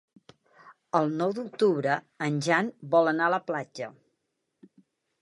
El nou d'octubre en Jan vol anar a la platja.